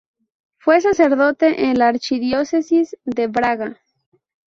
Fue sacerdote en la archidiócesis de Braga.